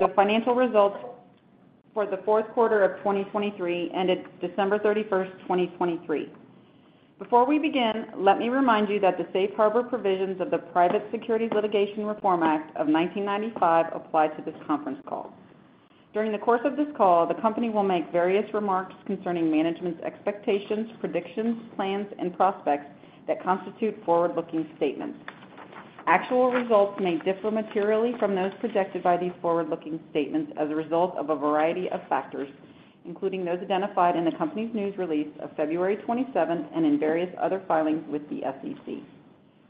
The financial results for the fourth quarter of 2023, ended December 31st, 2023. Before we begin, let me remind you that the safe harbor provisions of the Private Securities Litigation Reform Act of 1995 apply to this conference call. During the course of this call, the company will make various remarks concerning management's expectations, predictions, plans, and prospects that constitute forward-looking statements. Actual results may differ materially from those projected by these forward-looking statements as a result of a variety of factors, including those identified in the company's news release of February 27th and in various other filings with the SEC.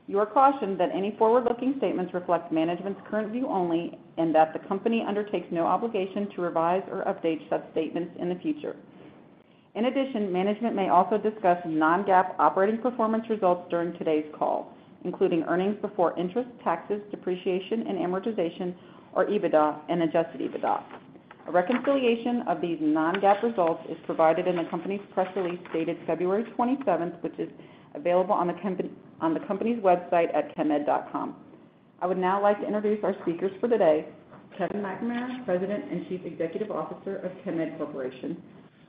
You are cautioned that any forward-looking statements reflect management's current view only and that the company undertakes no obligation to revise or update such statements in the future. In addition, management may also discuss non-GAAP operating performance results during today's call, including earnings before interest, taxes, depreciation, and amortization, or EBITDA, and adjusted EBITDA. A reconciliation of these non-GAAP results is provided in the company's press release dated February 27th, which is available on the company, on the company's website at chemed.com. I would now like to introduce our speakers for today, Kevin McNamara, President and Chief Executive Officer of Chemed Corporation,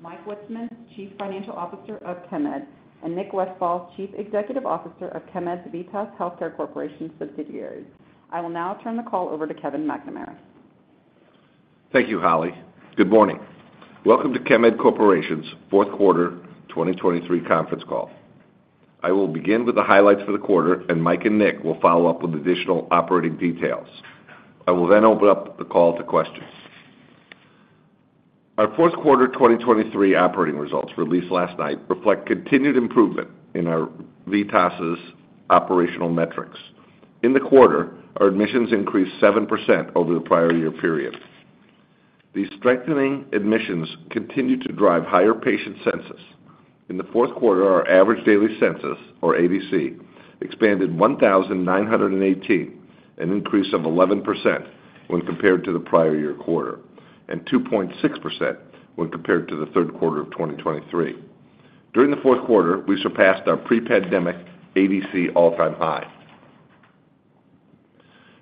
Mike Witzeman, Chief Financial Officer of Chemed, and Nick Westfall, Chief Executive Officer of Chemed's VITAS Healthcare Corporation subsidiaries. I will now turn the call over to Kevin McNamara. Thank you, Holley. Good morning. Welcome to Chemed Corporation's fourth quarter 2023 conference call. I will begin with the highlights for the quarter, and Mike and Nick will follow up with additional operating details. I will then open up the call to questions. Our fourth quarter 2023 operating results, released last night, reflect continued improvement in our VITAS's operational metrics. In the quarter, our admissions increased 7% over the prior year period. These strengthening admissions continued to drive higher patient census. In the fourth quarter, our average daily census, or ADC, expanded 1,918, an increase of 11% when compared to the prior year quarter, and 2.6% when compared to the third quarter of 2023. During the fourth quarter, we surpassed our pre-pandemic ADC all-time high.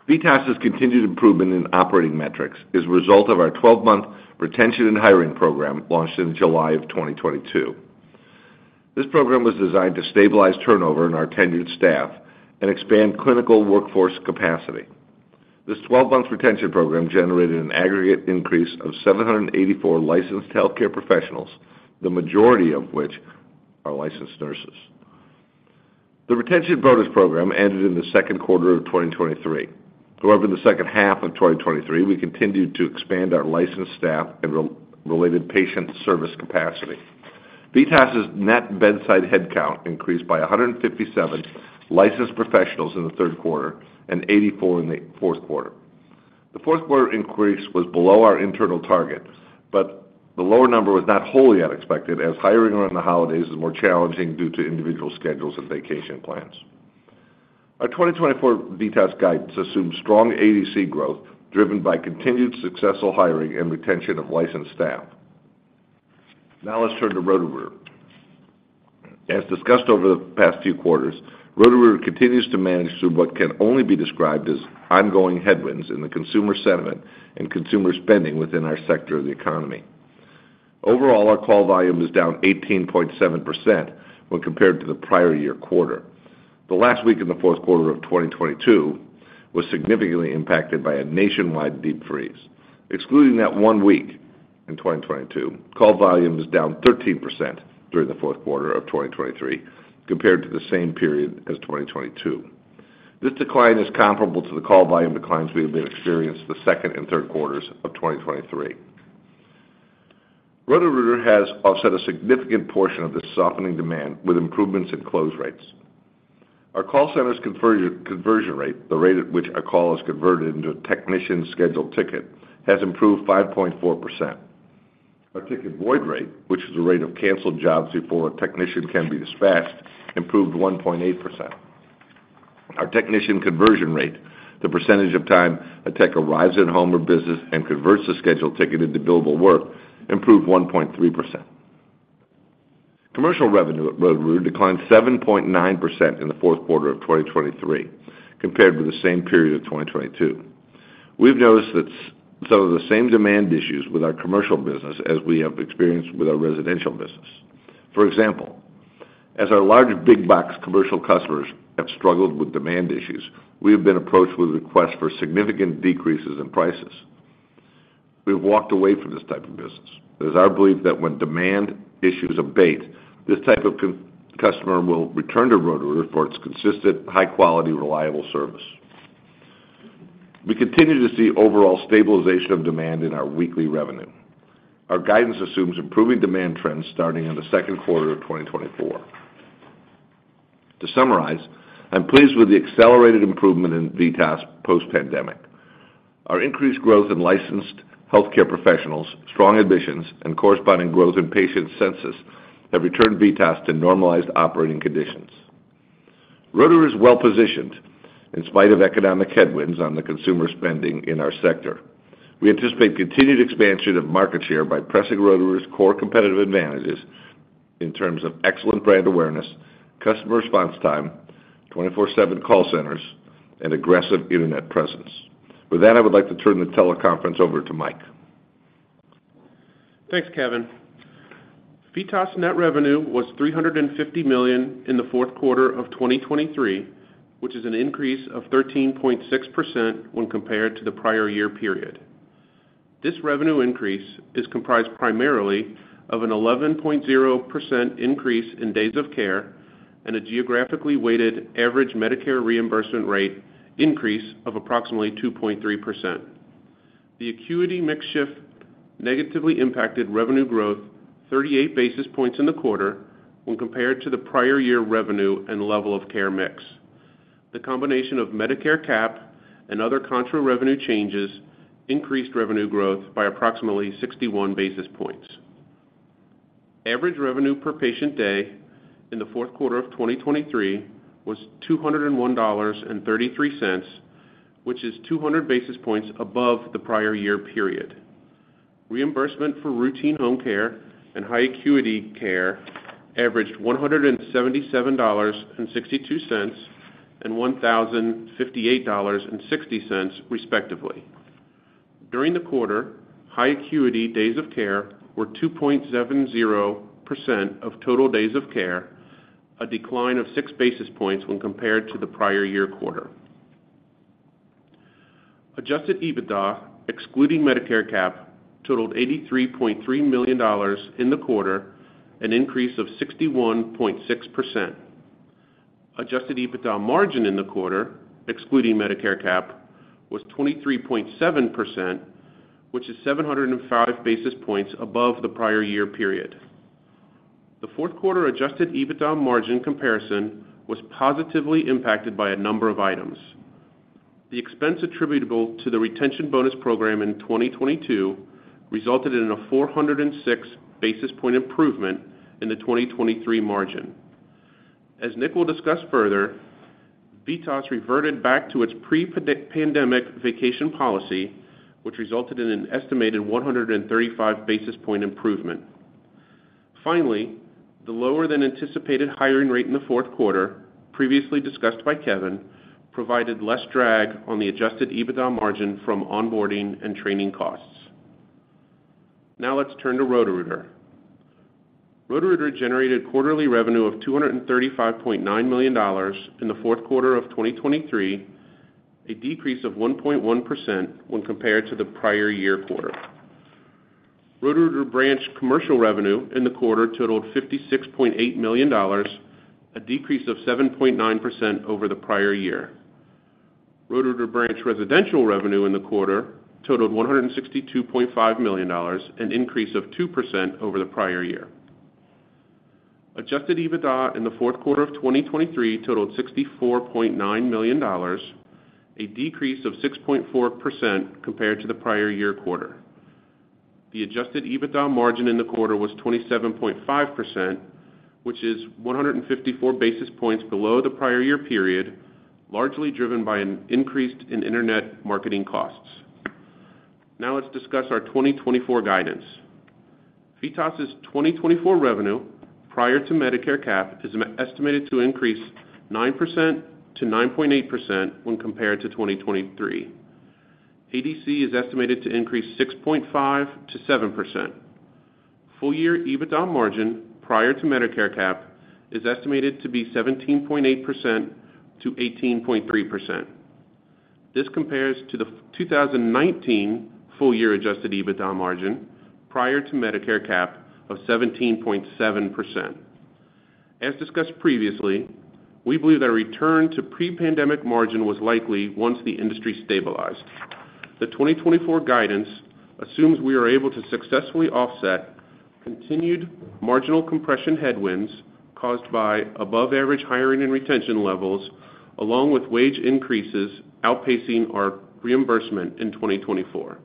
VITAS's continued improvement in operating metrics is a result of our 12-month retention and hiring program, launched in July of 2022. This program was designed to stabilize turnover in our tenured staff and expand clinical workforce capacity. This 12-month retention program generated an aggregate increase of 784 licensed healthcare professionals, the majority of which are licensed nurses. The retention bonus program ended in the second quarter of 2023. However, in the second half of 2023, we continued to expand our licensed staff and related patient service capacity. VITAS's net bedside headcount increased by 157 licensed professionals in the third quarter and 84 in the fourth quarter. The fourth quarter increase was below our internal target, but the lower number was not wholly unexpected, as hiring around the holidays is more challenging due to individual schedules and vacation plans. Our 2024 VITAS guidance assumes strong ADC growth, driven by continued successful hiring and retention of licensed staff. Now let's turn to Roto-Rooter. As discussed over the past few quarters, Roto-Rooter continues to manage through what can only be described as ongoing headwinds in the consumer sentiment and consumer spending within our sector of the economy. Overall, our call volume is down 18.7% when compared to the prior year quarter. The last week in the fourth quarter of 2022 was significantly impacted by a nationwide deep freeze. Excluding that one week in 2022, call volume is down 13% during the fourth quarter of 2023 compared to the same period as 2022. This decline is comparable to the call volume declines we have been experiencing the second and third quarters of 2023. Roto-Rooter has offset a significant portion of this softening demand with improvements in close rates. Our call center's conversion rate, the rate at which a call is converted into a technician scheduled ticket, has improved 5.4%. Our ticket void rate, which is the rate of canceled jobs before a technician can be dispatched, improved 1.8%. Our technician conversion rate, the percentage of time a tech arrives at home or business and converts the scheduled ticket into billable work, improved 1.3%. Commercial revenue at Roto-Rooter declined 7.9% in the fourth quarter of 2023 compared with the same period of 2022. We've noticed that so the same demand issues with our commercial business as we have experienced with our residential business. For example, as our larger big box commercial customers have struggled with demand issues, we have been approached with requests for significant decreases in prices. We've walked away from this type of business. It is our belief that when demand issues abate, this type of customer will return to Roto-Rooter for its consistent, high-quality, reliable service. We continue to see overall stabilization of demand in our weekly revenue. Our guidance assumes improving demand trends starting in the second quarter of 2024. To summarize, I'm pleased with the accelerated improvement in VITAS post-pandemic. Our increased growth in licensed healthcare professionals, strong admissions, and corresponding growth in patient census have returned VITAS to normalized operating conditions. Roto-Rooter is well positioned in spite of economic headwinds on the consumer spending in our sector. We anticipate continued expansion of market share by pressing Roto-Rooter's core competitive advantages in terms of excellent brand awareness, customer response time, 24/7 call centers, and aggressive internet presence. With that, I would like to turn the teleconference over to Mike. Thanks, Kevin. VITAS net revenue was $350 million in the fourth quarter of 2023, which is an increase of 13.6% when compared to the prior year period. This revenue increase is comprised primarily of an 11.0% increase in days of care and a geographically weighted average Medicare reimbursement rate increase of approximately 2.3%. The acuity mix shift negatively impacted revenue growth 38 basis points in the quarter when compared to the prior year revenue and level of care mix. The combination of Medicare Cap and other contra revenue changes increased revenue growth by approximately 61 basis points. Average revenue per patient day in the fourth quarter of 2023 was $201.33, which is 200 basis points above the prior year period. Reimbursement for routine home care and high acuity care averaged $177.62 and $1,058.60, respectively. During the quarter, high acuity days of care were 2.70% of total days of care, a decline of 6 basis points when compared to the prior year quarter. Adjusted EBITDA, excluding Medicare Cap, totaled $83.3 million in the quarter, an increase of 61.6%. Adjusted EBITDA margin in the quarter, excluding Medicare Cap, was 23.7%, which is 705 basis points above the prior year period. The fourth quarter adjusted EBITDA margin comparison was positively impacted by a number of items. The expense attributable to the retention bonus program in 2022 resulted in a 406 basis point improvement in the 2023 margin. As Nick will discuss further, VITAS reverted back to its pre-pandemic vacation policy, which resulted in an estimated 135 basis points improvement. Finally, the lower than anticipated hiring rate in the fourth quarter, previously discussed by Kevin, provided less drag on the adjusted EBITDA margin from onboarding and training costs. Now let's turn to Roto-Rooter. Roto-Rooter generated quarterly revenue of $235.9 million in the fourth quarter of 2023, a decrease of 1.1% when compared to the prior year quarter. Roto-Rooter branch commercial revenue in the quarter totaled $56.8 million, a decrease of 7.9% over the prior year. Roto-Rooter branch residential revenue in the quarter totaled $162.5 million, an increase of 2% over the prior year. Adjusted EBITDA in the fourth quarter of 2023 totaled $64.9 million, a decrease of 6.4% compared to the prior year quarter. The adjusted EBITDA margin in the quarter was 27.5%, which is 154 basis points below the prior year period, largely driven by an increase in internet marketing costs. Now let's discuss our 2024 guidance. VITAS's 2024 revenue, prior to Medicare Cap, is estimated to increase 9%-9.8% when compared to 2023. ADC is estimated to increase 6.5%-7%. Full-year EBITDA margin, prior to Medicare Cap, is estimated to be 17.8%-18.3%. This compares to the 2019 full-year adjusted EBITDA margin, prior to Medicare Cap, of 17.7%. As discussed previously, we believe that a return to pre-pandemic margin was likely once the industry stabilized. The 2024 guidance assumes we are able to successfully offset continued marginal compression headwinds caused by above average hiring and retention levels, along with wage increases outpacing our reimbursement in 2024.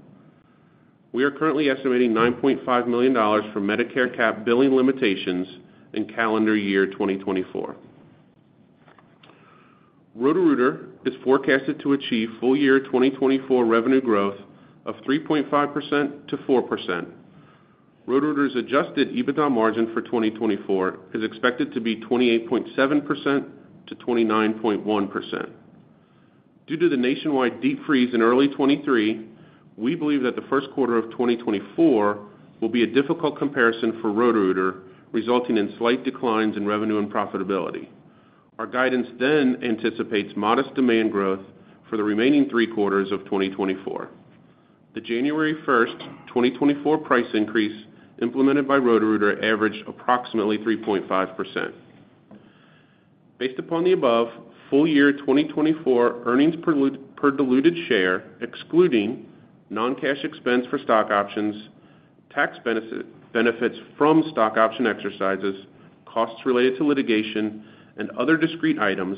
We are currently estimating $9.5 million for Medicare Cap billing limitations in calendar year 2024. Roto-Rooter is forecasted to achieve full-year 2024 revenue growth of 3.5%-4%. Roto-Rooter's adjusted EBITDA margin for 2024 is expected to be 28.7%-29.1%. Due to the nationwide deep freeze in early 2023, we believe that the first quarter of 2024 will be a difficult comparison for Roto-Rooter, resulting in slight declines in revenue and profitability. Our guidance then anticipates modest demand growth for the remaining three quarters of 2024. The January 1st, 2024 price increase implemented by Roto-Rooter averaged approximately 3.5%. Based upon the above, full-year 2024 earnings per diluted share, excluding non-cash expense for stock options, tax benefits from stock option exercises, costs related to litigation, and other discrete items,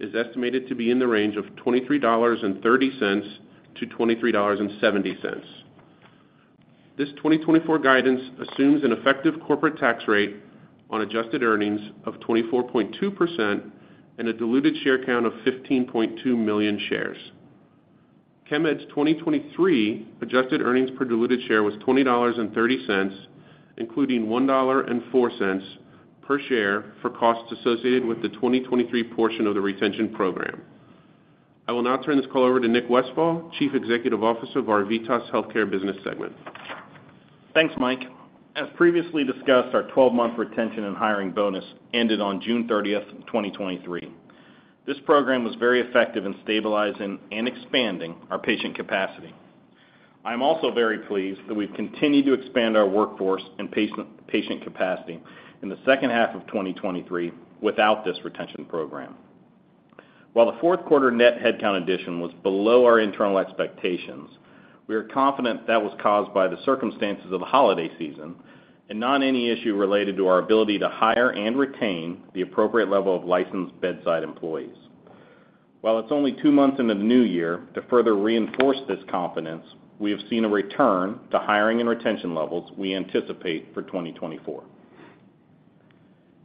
is estimated to be in the range of $23.30-$23.70. This 2024 guidance assumes an effective corporate tax rate on adjusted earnings of 24.2% and a diluted share count of 15.2 million shares. Chemed's 2023 adjusted earnings per diluted share was $20.30, including $1.04 per share for costs associated with the 2023 portion of the retention program. I will now turn this call over to Nick Westfall, Chief Executive Officer of our VITAS Healthcare business segment. Thanks, Mike. As previously discussed, our 12-month retention and hiring bonus ended on June 30th, 2023. This program was very effective in stabilizing and expanding our patient capacity. I'm also very pleased that we've continued to expand our workforce and patient, patient capacity in the second half of 2023 without this retention program. While the fourth quarter net headcount addition was below our internal expectations, we are confident that was caused by the circumstances of the holiday season, and not any issue related to our ability to hire and retain the appropriate level of licensed bedside employees. While it's only two months in the new year, to further reinforce this confidence, we have seen a return to hiring and retention levels we anticipate for 2024.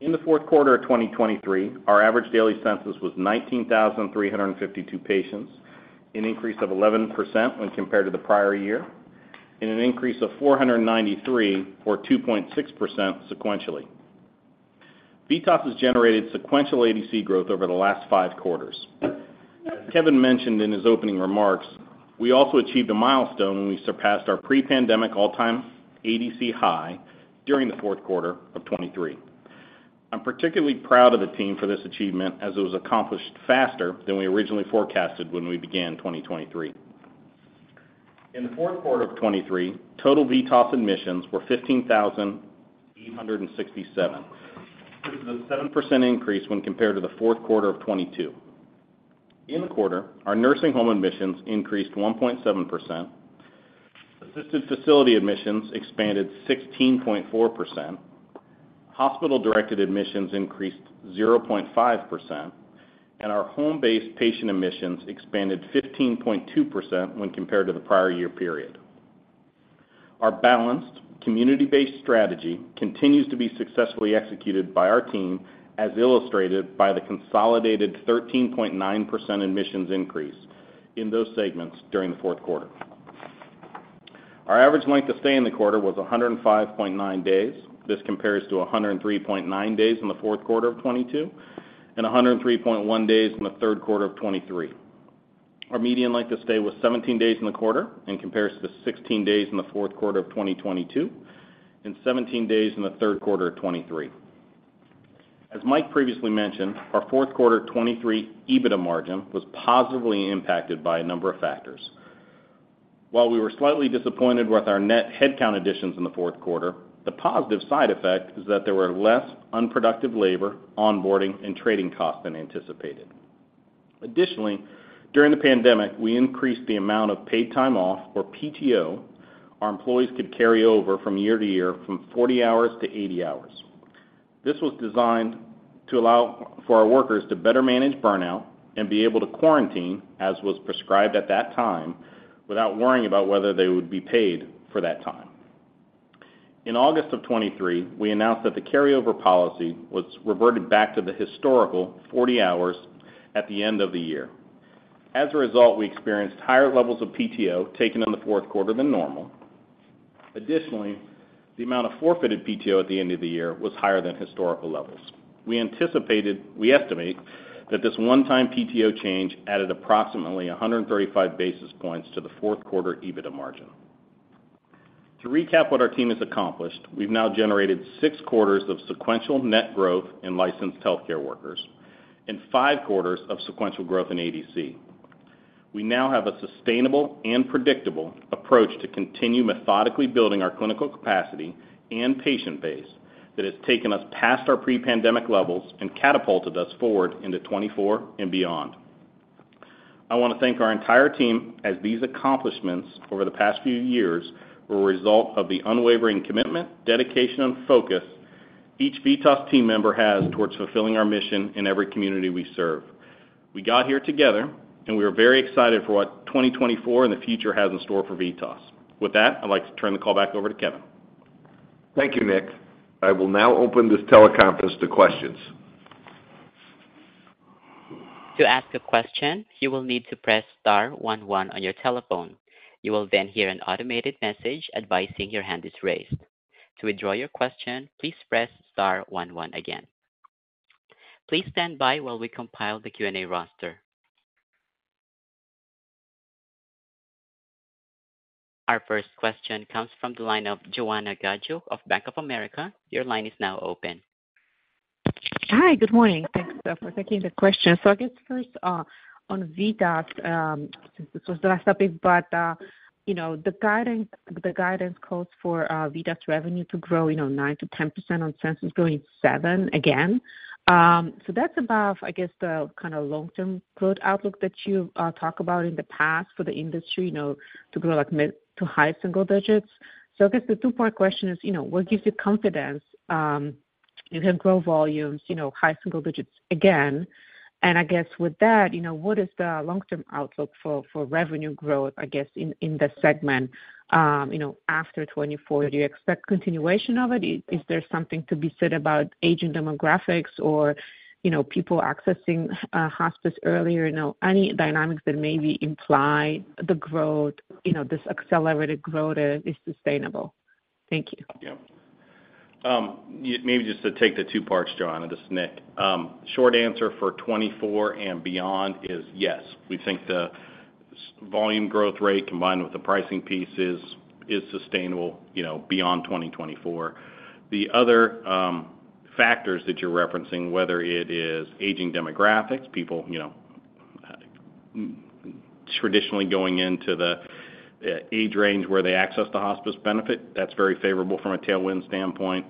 In the fourth quarter of 2023, our average daily census was 19,352 patients, an increase of 11% when compared to the prior year, and an increase of 493, or 2.6% sequentially. VITAS has generated sequential ADC growth over the last five quarters. As Kevin mentioned in his opening remarks, we also achieved a milestone when we surpassed our pre-pandemic all-time ADC high during the fourth quarter of 2023. I'm particularly proud of the team for this achievement, as it was accomplished faster than we originally forecasted when we began 2023. In the fourth quarter of 2023, total VITAS admissions were 15,867. This is a 7% increase when compared to the fourth quarter of 2022. In the quarter, our nursing home admissions increased 1.7%, assisted facility admissions expanded 16.4%, hospital-directed admissions increased 0.5%, and our home-based patient admissions expanded 15.2% when compared to the prior year period. Our balanced, community-based strategy continues to be successfully executed by our team, as illustrated by the consolidated 13.9% admissions increase in those segments during the fourth quarter. Our average length of stay in the quarter was 105.9 days. This compares to 103.9 days in the fourth quarter of 2022, and 103.1 days in the third quarter of 2023. Our median length of stay was 17 days in the quarter and compares to 16 days in the fourth quarter of 2022, and 17 days in the third quarter of 2023. As Mike previously mentioned, our fourth quarter 2023 EBITDA margin was positively impacted by a number of factors. While we were slightly disappointed with our net headcount additions in the fourth quarter, the positive side effect is that there were less unproductive labor, onboarding, and training costs than anticipated. Additionally, during the pandemic, we increased the amount of paid time off, or PTO, our employees could carry over from year-to-year from 40 hours to 80 hours. This was designed to allow for our workers to better manage burnout and be able to quarantine, as was prescribed at that time, without worrying about whether they would be paid for that time. In August 2023, we announced that the carryover policy was reverted back to the historical 40 hours at the end of the year. As a result, we experienced higher levels of PTO taken in the fourth quarter than normal. Additionally, the amount of forfeited PTO at the end of the year was higher than historical levels. We estimate that this one-time PTO change added approximately 135 basis points to the fourth quarter EBITDA margin. To recap what our team has accomplished, we've now generated six quarters of sequential net growth in licensed healthcare workers and five quarters of sequential growth in ADC. We now have a sustainable and predictable approach to continue methodically building our clinical capacity and patient base that has taken us past our pre-pandemic levels and catapulted us forward into 2024 and beyond. I want to thank our entire team, as these accomplishments over the past few years were a result of the unwavering commitment, dedication, and focus each VITAS team member has towards fulfilling our mission in every community we serve. We got here together, and we are very excited for what 2024 and the future has in store for VITAS. With that, I'd like to turn the call back over to Kevin. Thank you, Nick. I will now open this teleconference to questions. To ask a question, you will need to press star one one on your telephone. You will then hear an automated message advising your hand is raised. To withdraw your question, please press star one one again. Please stand by while we compile the Q&A roster. Our first question comes from the line of Joanna Gajuk of Bank of America. Your line is now open. Hi, good morning. Thanks, for taking the question. So I guess first, on VITAS, since this was the last topic, but, you know, the guidance, the guidance calls for, VITAS revenue to grow, you know, 9%-10% on census growing 7% again. So that's above, I guess, the kinda long-term growth outlook that you, talked about in the past for the industry, you know, to grow like mid to high single digits. So I guess the two-part question is, you know, what gives you confidence, you can grow volumes, you know, high single digits again? And I guess with that, you know, what is the long-term outlook for, for revenue growth, I guess, in, in the segment, you know, after 2024? Do you expect continuation of it? Is there something to be said about aging demographics or, you know, people accessing, hospice earlier? You know, any dynamics that maybe imply the growth, you know, this accelerated growth is sustainable? Thank you. Yeah. Maybe just to take the two parts, Joanna, this is Nick. Short answer for 2024 and beyond is yes, we think the volume growth rate, combined with the pricing piece, is sustainable, you know, beyond 2024. The other factors that you're referencing, whether it is aging demographics, people, you know, traditionally going into the age range where they access the hospice benefit, that's very favorable from a tailwind standpoint.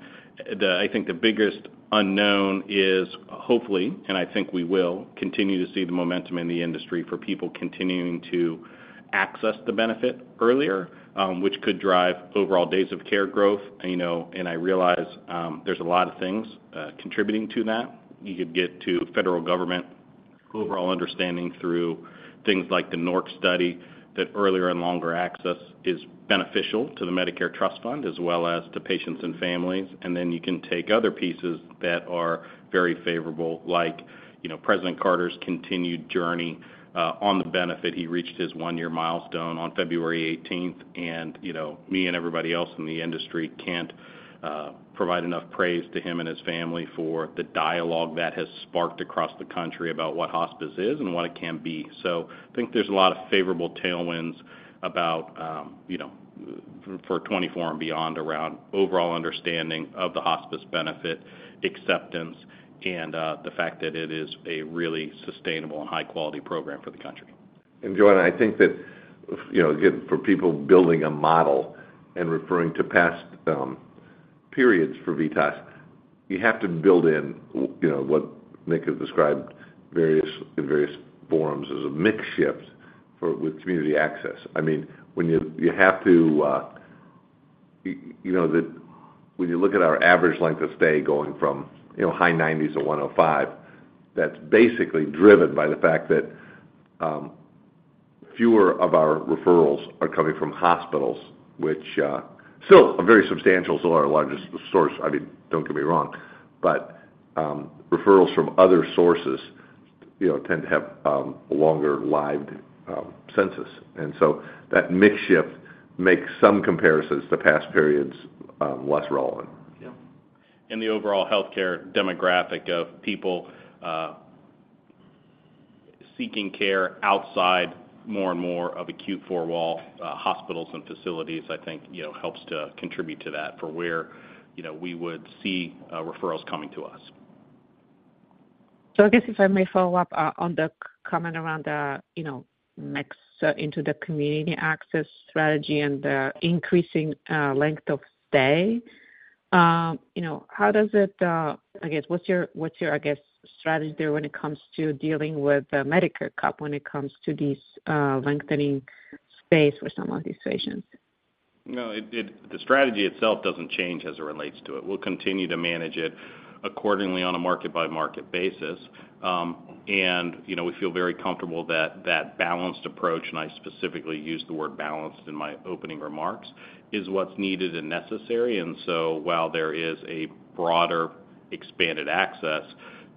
I think the biggest unknown is, hopefully, and I think we will, continue to see the momentum in the industry for people continuing to access the benefit earlier, which could drive overall days of care growth, you know, and I realize, there's a lot of things contributing to that. You could get to federal government overall understanding through things like the NORC study, that earlier and longer access is beneficial to the Medicare Trust Fund, as well as to patients and families. And then you can take other pieces that are very favorable, like, you know, President Carter's continued journey on the benefit. He reached his one-year milestone on February 18th, and, you know, me and everybody else in the industry can't provide enough praise to him and his family for the dialogue that has sparked across the country about what hospice is and what it can be. So I think there's a lot of favorable tailwinds about, you know, for 2024 and beyond, around overall understanding of the hospice benefit acceptance and the fact that it is a really sustainable and high-quality program for the country. And Joanna, I think that, you know, again, for people building a model and referring to past periods for VITAS, you have to build in you know, what Nick has described in various forums as a mix shift with community access. I mean, when you, you have to, you know, that when you look at our average length of stay, going from, you know, high 90s to 105, that's basically driven by the fact that, fewer of our referrals are coming from hospitals, which, still are very substantial, still our largest source, I mean, don't get me wrong. But, referrals from other sources, you know, tend to have, a longer lived, census. And so that mix shift makes some comparisons to past periods, less relevant. Yeah. And the overall healthcare demographic of people seeking care outside more and more of acute four-wall hospitals and facilities, I think, you know, helps to contribute to that for where, you know, we would see referrals coming to us. So I guess if I may follow up on the comment around the, you know, mix into the community access strategy and the increasing length of stay. You know, how does it, I guess, what's your strategy there when it comes to dealing with Medicare Cap, when it comes to this lengthening stay for some of these patients? No, it, the strategy itself doesn't change as it relates to it. We'll continue to manage it accordingly on a market-by-market basis. And, you know, we feel very comfortable that that balanced approach, and I specifically used the word balanced in my opening remarks, is what's needed and necessary. And so while there is a broader expanded access,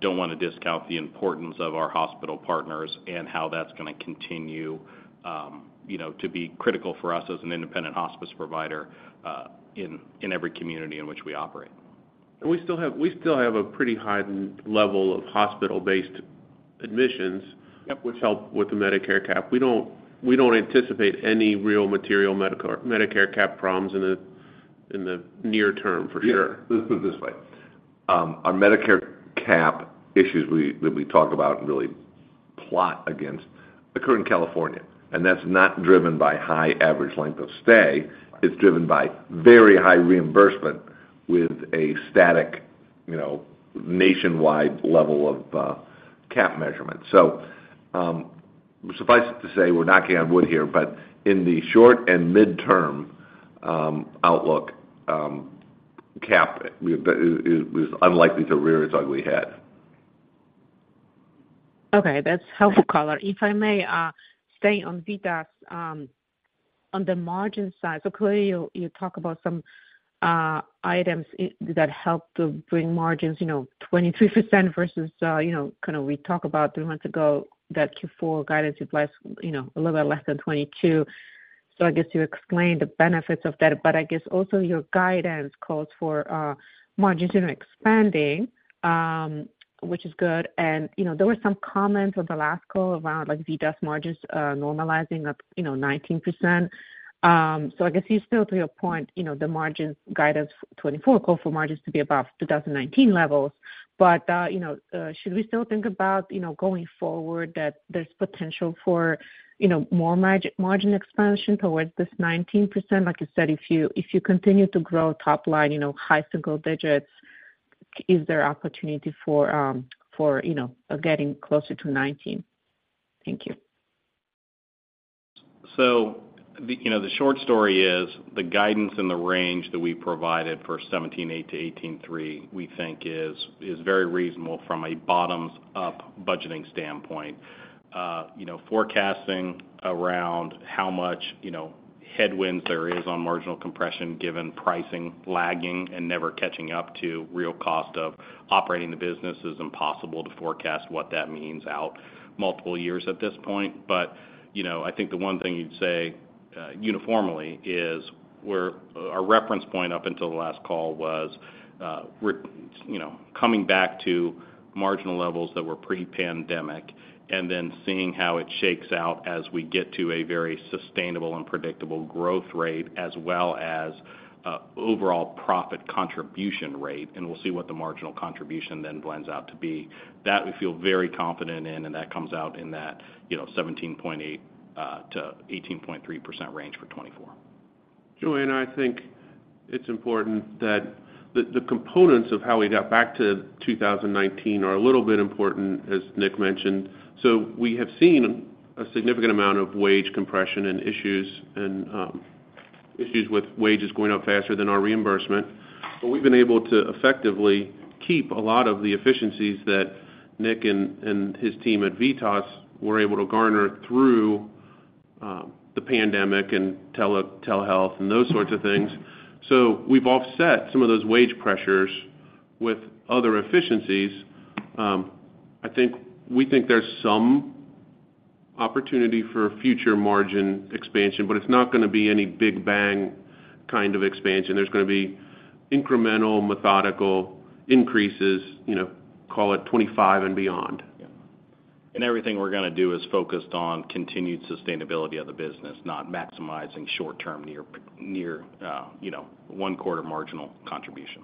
don't want to discount the importance of our hospital partners and how that's gonna continue, you know, to be critical for us as an independent hospice provider, in every community in which we operate. We still have a pretty high level of hospital-based admissions. Yep. Which help with the Medicare Cap. We don't, we don't anticipate any real material Medicare Cap problems in the, in the near term, for sure. Yeah, let's put it this way. Our Medicare Cap issues we, that we talk about and really plot against, occur in California, and that's not driven by high average length of stay. Right. It's driven by very high reimbursement with a static, you know, nationwide level of cap measurement. So, suffice to say, we're knocking on wood here, but in the short and midterm outlook, cap is unlikely to rear its ugly head. Okay, that's helpful color. If I may stay on VITAS, on the margin side. So clearly, you talk about some items that helped to bring margins, you know, 23% versus, you know, kind of we talk about three months ago that Q4 guidance is less, you know, a little bit less than 22%. So I guess you explained the benefits of that, but I guess also your guidance calls for margins, you know, expanding, which is good. And, you know, there were some comments on the last call around, like, VITAS margins normalizing at, you know, 19%. So I guess you still, to your point, you know, the margins guidance 2024 call for margins to be above 2019 levels. But, you know, should we still think about, you know, going forward, that there's potential for, you know, more margin expansion towards this 19%? Like you said, if you, if you continue to grow top line, you know, high single digits, is there opportunity for, you know, getting closer to 19? Thank you. So the, you know, the short story is, the guidance and the range that we provided for 17.8%-18.3%, we think is, is very reasonable from a bottom-up budgeting standpoint. You know, forecasting around how much, you know, headwinds there is on marginal compression, given pricing lagging and never catching up to real cost of operating the business, is impossible to forecast what that means out multiple years at this point. But, you know, I think the one thing you'd say uniformly is where our reference point up until the last call was, we're, you know, coming back to marginal levels that were pre-pandemic, and then seeing how it shakes out as we get to a very sustainable and predictable growth rate, as well as, overall profit contribution rate, and we'll see what the marginal contribution then blends out to be. That we feel very confident in, and that comes out in that, you know, 17.8%-18.3% range for 2024. Joanna, I think it's important that the components of how we got back to 2019 are a little bit important, as Nick mentioned. So we have seen a significant amount of wage compression and issues, and issues with wages going up faster than our reimbursement. But we've been able to effectively keep a lot of the efficiencies that Nick and his team at VITAS were able to garner through the pandemic and telehealth and those sorts of things. So we've offset some of those wage pressures with other efficiencies. I think. We think there's some opportunity for future margin expansion, but it's not gonna be any big bang kind of expansion. There's gonna be incremental, methodical increases, you know, call it 2025 and beyond. Yeah. Everything we're gonna do is focused on continued sustainability of the business, not maximizing short-term, near-term, you know, one quarter marginal contribution.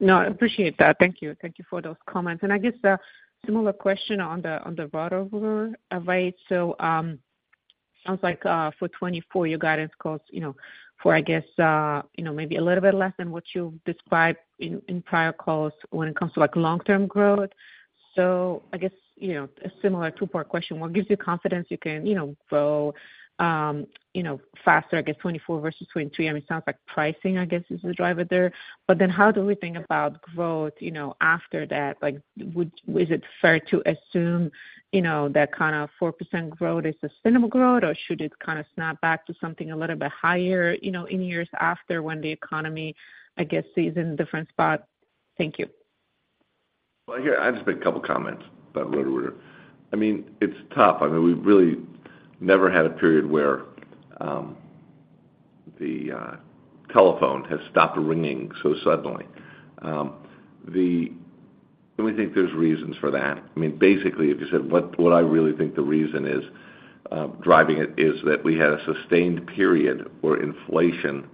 No, I appreciate that. Thank you. Thank you for those comments. And I guess, a similar question on the Roto-Rooter, right? So, sounds like, for 2024, your guidance calls, you know, for, I guess, you know, maybe a little bit less than what you described in prior calls when it comes to, like, long-term growth. So I guess, you know, a similar two-part question, What gives you confidence you can, you know, grow, you know, faster, I guess, 2024 versus 2023? I mean, it sounds like pricing, I guess, is the driver there. But then how do we think about growth, you know, after that? Like, would, is it fair to assume, you know, that kind of 4% growth is sustainable growth, or should it kind of snap back to something a little bit higher, you know, in years after when the economy, I guess, is in a different spot? Thank you. Well, here, I'll just make a couple comments about Roto-Rooter. I mean, it's tough. I mean, we've really never had a period where the telephone has stopped ringing so suddenly. And we think there's reasons for that. I mean, basically, if you said what I really think the reason is driving it is that we had a sustained period where inflation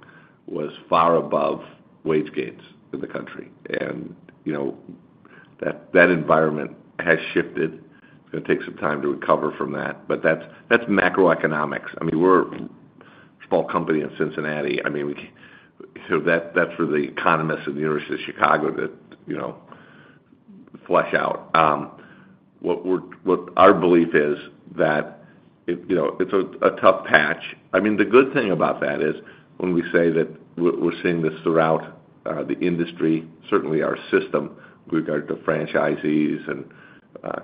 was far above wage gains in the country. And, you know, that environment has shifted. It's gonna take some time to recover from that, but that's macroeconomics. I mean, we're a small company in Cincinnati. I mean, so that's for the economists in the University of Chicago to, you know, flesh out. What our belief is that, it, you know, it's a tough patch. I mean, the good thing about that is, when we say that we're seeing this throughout the industry, certainly our system, with regard to franchisees and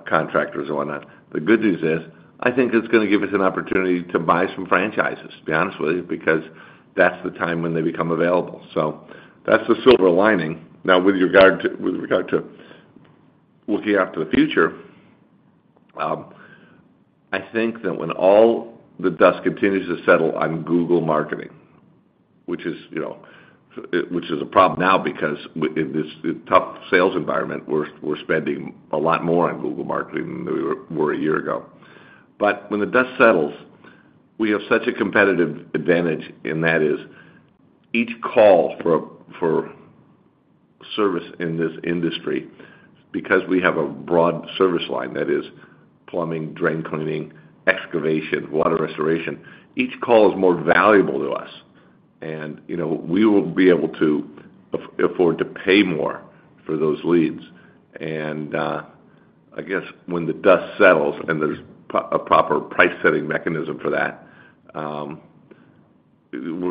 contractors and whatnot. The good news is, I think it's gonna give us an opportunity to buy some franchises, to be honest with you, because that's the time when they become available. So that's the silver lining. Now, with regard to looking after the future, I think that when all the dust continues to settle on Google Marketing, which is, you know, which is a problem now, because in this tough sales environment, we're spending a lot more on Google Marketing than we were a year ago. But when the dust settles, we have such a competitive advantage, and that is each call for service in this industry, because we have a broad service line, that is, plumbing, drain cleaning, excavation, water restoration, each call is more valuable to us. And, you know, we will be able to afford to pay more for those leads. And, I guess when the dust settles and there's a proper price-setting mechanism for that, we're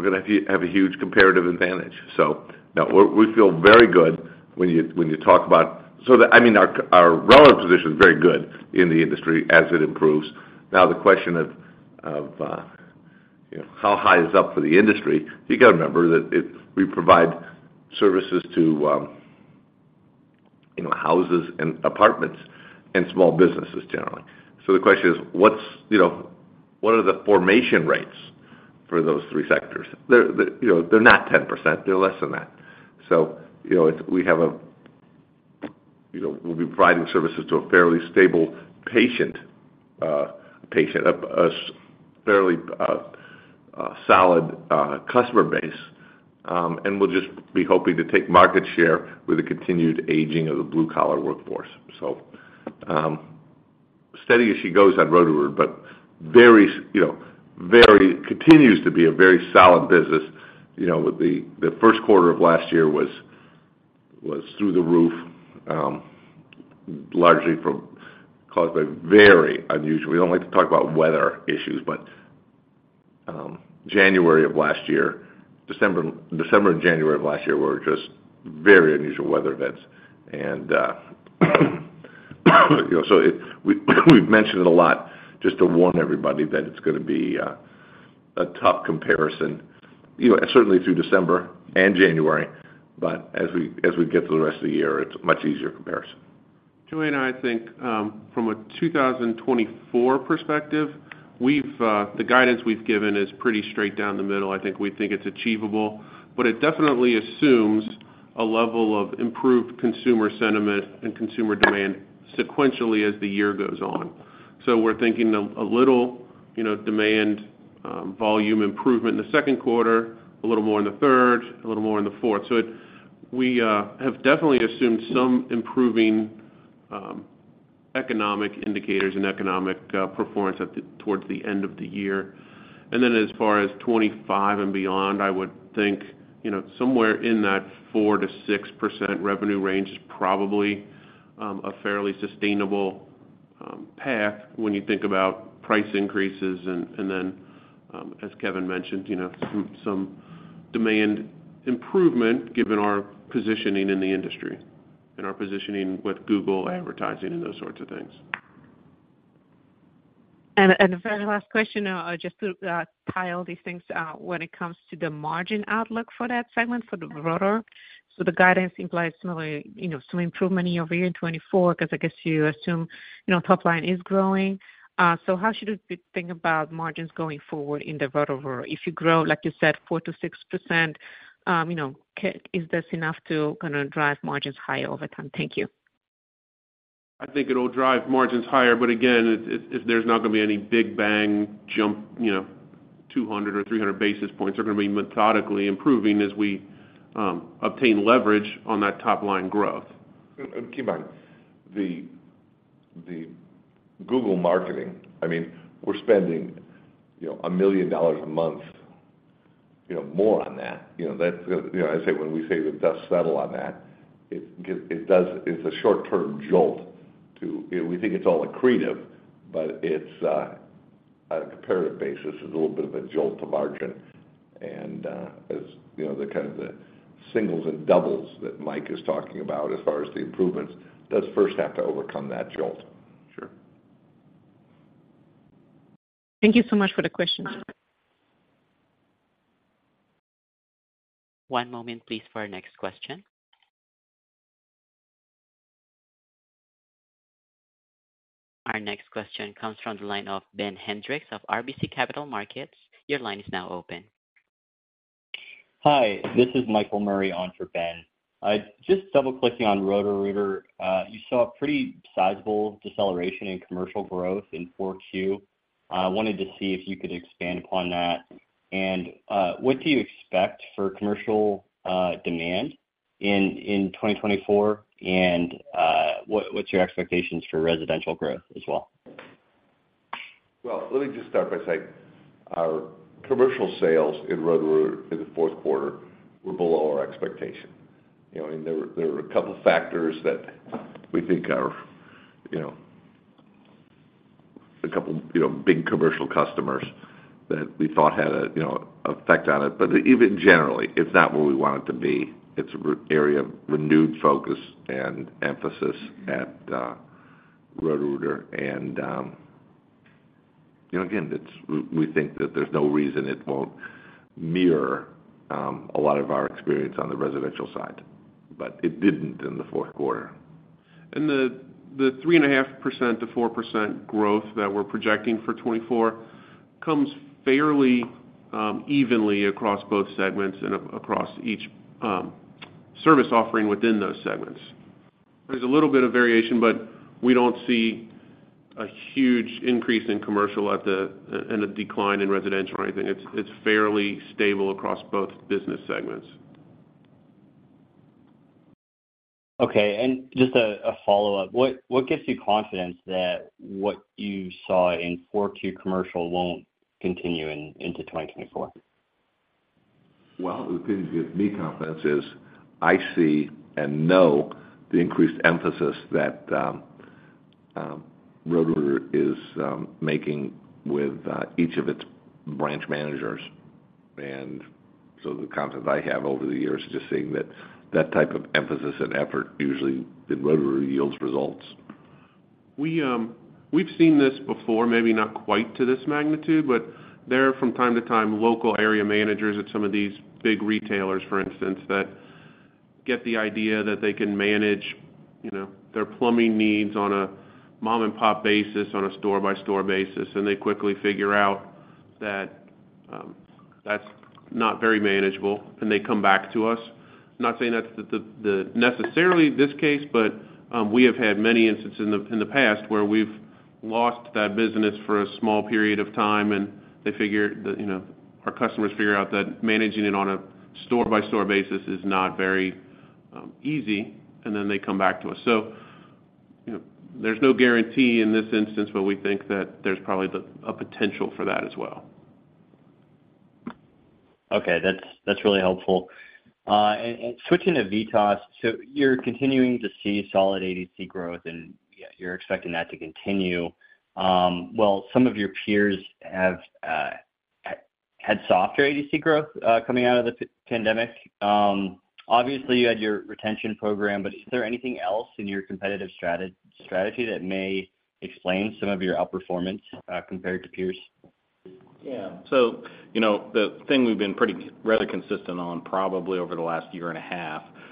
gonna have a huge comparative advantage. So now we feel very good when you talk about. So, I mean, our relative position is very good in the industry as it improves. Now, the question of how high is up for the industry? You got to remember that we provide services to houses and apartments and small businesses, generally. So the question is, What's, you know, what are the formation rates for those three sectors? They're, you know, they're not 10%, they're less than that. So, you know, it's, we have a, you know, we'll be providing services to a fairly stable, fairly solid customer base, and we'll just be hoping to take market share with the continued aging of the blue-collar workforce. So, steady as she goes on Roto-Rooter, but very, you know, very, continues to be a very solid business. You know, with the first quarter of last year was through the roof, largely caused by very unusual. We don't like to talk about weather issues, but, January of last year, December and January of last year were just very unusual weather events. You know, so we've mentioned it a lot just to warn everybody that it's gonna be a tough comparison, you know, certainly through December and January. But as we, as we get to the rest of the year, it's a much easier comparison. Joanna, I think, from a 2024 perspective, we've, the guidance we've given is pretty straight down the middle. I think we think it's achievable, but it definitely assumes a level of improved consumer sentiment and consumer demand sequentially as the year goes on. So we're thinking a little, you know, demand volume improvement in the second quarter, a little more in the third, a little more in the fourth. So we have definitely assumed some improving economic indicators and economic performance towards the end of the year. Then as far as 2025 and beyond, I would think, you know, somewhere in that 4%-6% revenue range is probably a fairly sustainable path when you think about price increases and, and then, as Kevin mentioned, you know, some, some demand improvement given our positioning in the industry and our positioning with Google Advertising and those sorts of things. The very last question, just to tie all these things out when it comes to the margin outlook for that segment, for the Roto. So the guidance implies similarly, you know, some improvement year in 2024, 'cause I guess you assume, you know, top line is growing. So how should we think about margins going forward in the Roto-Rooter? If you grow, like you said, 4%-6%, you know, is this enough to kinda drive margins higher over time? Thank you. I think it'll drive margins higher, but again, it, there's not gonna be any big bang jump, you know, 200 or 300 basis points. They're gonna be methodically improving as we obtain leverage on that top-line growth. Keep in mind, the Google marketing, I mean, we're spending, you know, $1 million a month, you know, more on that. You know, that's, you know, I say when we say the dust settle on that, it does, it's a short-term jolt to. You know, we think it's all accretive, but it's, on a comparative basis, it's a little bit of a jolt to margin. And, as you know, the kind of the singles and doubles that Mike is talking about as far as the improvements, does first have to overcome that jolt. Sure. Thank you so much for the question. One moment, please, for our next question. Our next question comes from the line of Ben Hendrix of RBC Capital Markets. Your line is now open. Hi, this is Michael Murray on for Ben. I just double-clicking on Roto-Rooter. You saw a pretty sizable deceleration in commercial growth in 4Q. I wanted to see if you could expand upon that. What do you expect for commercial demand in 2024? What’s your expectations for residential growth as well? Well, let me just start by saying, our commercial sales in Roto-Rooter in the fourth quarter were below our expectation. You know, and there were, there were a couple factors that we think are, you know, a couple, you know, big commercial customers that we thought had a, you know, effect on it. But even generally, it's not where we want it to be. It's an area of renewed focus and emphasis at Roto-Rooter. And, you know, again, it's we, we think that there's no reason it won't mirror a lot of our experience on the residential side, but it didn't in the fourth quarter. The 3.5%-4% growth that we're projecting for 2024 comes fairly evenly across both segments and across each service offering within those segments. There's a little bit of variation, but we don't see a huge increase in commercial at the, and a decline in residential or anything. It's fairly stable across both business segments. Okay. And just a follow-up. What gives you confidence that what you saw in 4Q commercial won't continue into 2024? Well, the thing that gives me confidence is, I see and know the increased emphasis that Roto-Rooter is making with each of its branch managers. And so the confidence I have over the years is just seeing that that type of emphasis and effort usually, in Roto-Rooter, yields results. We've seen this before, maybe not quite to this magnitude, but there from time to time, local area managers at some of these big retailers, for instance, that get the idea that they can manage, you know, their plumbing needs on a mom-and-pop basis, on a store-by-store basis, and they quickly figure out that, that's not very manageable, and they come back to us. Not saying that's necessarily this case, but, we have had many instances in the past where we've lost that business for a small period of time, and they figure that, you know, our customers figure out that managing it on a store-by-store basis is not very, easy, and then they come back to us. So, you know, there's no guarantee in this instance, but we think that there's probably a potential for that as well. Okay, that's, that's really helpful. And, and switching to VITAS, so you're continuing to see solid ADC growth, and you're expecting that to continue. Well, some of your peers have had softer ADC growth coming out of the pandemic. Obviously, you had your retention program, but is there anything else in your competitive strategy that may explain some of your outperformance compared to peers? Yeah, so, you know, the thing we've been pretty rather consistent on, probably over the last year and a half, was,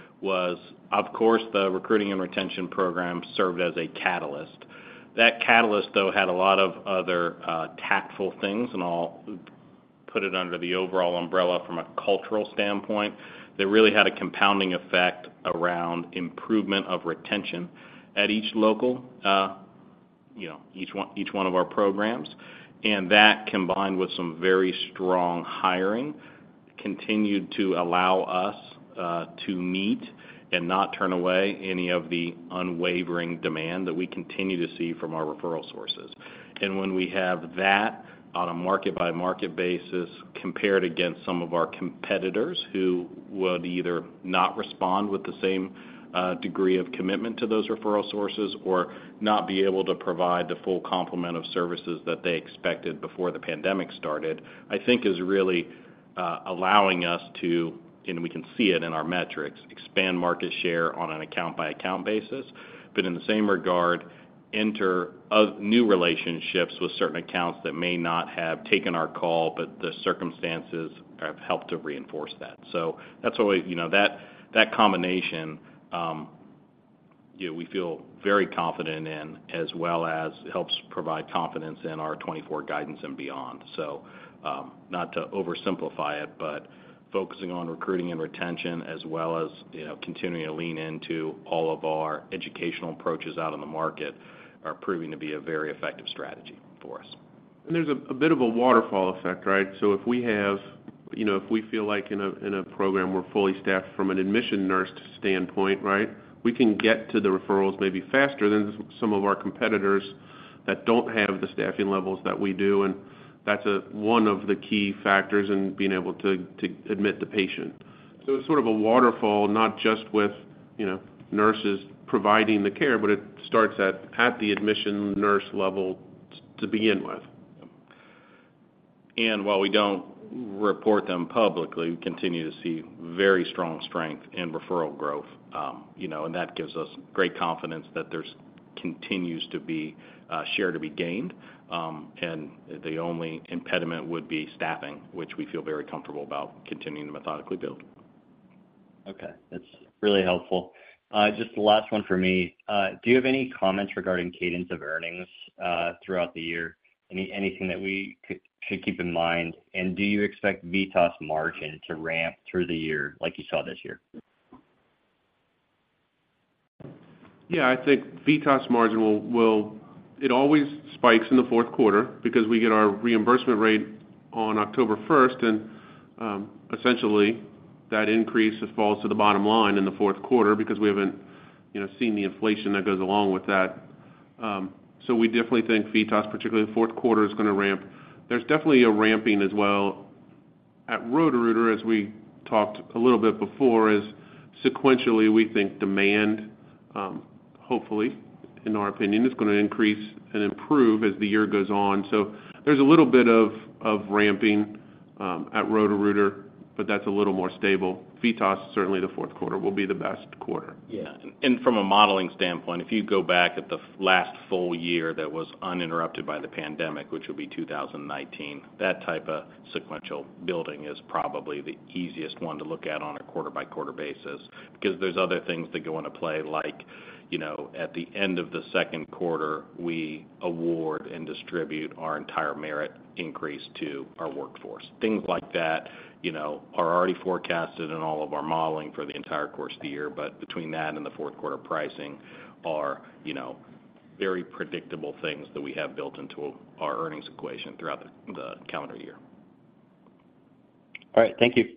of course, the recruiting and retention program served as a catalyst. That catalyst, though, had a lot of other tactical things, and I'll put it under the overall umbrella from a cultural standpoint, that really had a compounding effect around improvement of retention at each local, you know, each one of our programs. And that, combined with some very strong hiring, continued to allow us to meet and not turn away any of the unwavering demand that we continue to see from our referral sources. When we have that on a market-by-market basis, compared against some of our competitors who would either not respond with the same degree of commitment to those referral sources or not be able to provide the full complement of services that they expected before the pandemic started, I think is really allowing us to, and we can see it in our metrics, expand market share on an account-by-account basis. But in the same regard, enter into new relationships with certain accounts that may not have taken our call, but the circumstances have helped to reinforce that. So that's what we, you know, that, that combination, yeah, we feel very confident in, as well as helps provide confidence in our 2024 guidance and beyond. Not to oversimplify it, but focusing on recruiting and retention, as well as, you know, continuing to lean into all of our educational approaches out on the market, are proving to be a very effective strategy for us. There's a bit of a waterfall effect, right? So if we have, you know, if we feel like in a program, we're fully staffed from an admission nurse standpoint, right? We can get to the referrals maybe faster than some of our competitors that don't have the staffing levels that we do, and that's one of the key factors in being able to admit the patient. So it's sort of a waterfall, not just with, you know, nurses providing the care, but it starts at the admission nurse level to begin with. And while we don't report them publicly, we continue to see very strong strength in referral growth, you know, and that gives us great confidence that there's continues to be share to be gained. And the only impediment would be staffing, which we feel very comfortable about continuing to methodically build. Okay, that's really helpful. Just the last one for me. Do you have any comments regarding cadence of earnings throughout the year? Anything that we could keep in mind? And do you expect VITAS margin to ramp through the year, like you saw this year? Yeah, I think VITAS margin will, it always spikes in the fourth quarter because we get our reimbursement rate on October 1st, and essentially, that increase just falls to the bottom line in the fourth quarter because we haven't, you know, seen the inflation that goes along with that. So we definitely think VITAS, particularly the fourth quarter, is gonna ramp. There's definitely a ramping as well at Roto-Rooter, as we talked a little bit before, is sequentially, we think demand, hopefully, in our opinion, is gonna increase and improve as the year goes on. So there's a little bit of ramping at Roto-Rooter, but that's a little more stable. VITAS, certainly the fourth quarter will be the best quarter. Yeah, and from a modeling standpoint, if you go back at the last full-year that was uninterrupted by the pandemic, which would be 2019, that type of sequential building is probably the easiest one to look at on a quarter-by-quarter basis. Because there's other things that go into play, like, you know, at the end of the second quarter, we award and distribute our entire merit increase to our workforce. Things like that, you know, are already forecasted in all of our modeling for the entire course of the year, but between that and the fourth quarter pricing are, you know, very predictable things that we have built into our earnings equation throughout the calendar year. All right, thank you.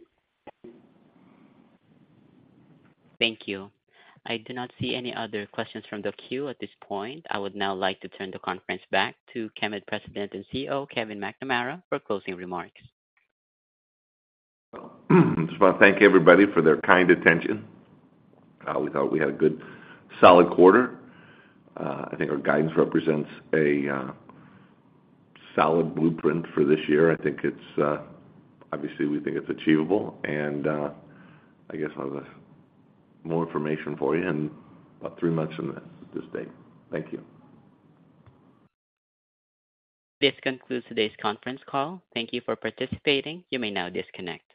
Thank you. I do not see any other questions from the queue at this point. I would now like to turn the conference back to Chemed President and CEO, Kevin McNamara, for closing remarks. I just wanna thank everybody for their kind attention. We thought we had a good solid quarter. I think our guidance represents a solid blueprint for this year. I think it's obviously, we think it's achievable, and I guess I'll have more information for you in about three months from this date. Thank you. This concludes today's conference call. Thank you for participating. You may now disconnect.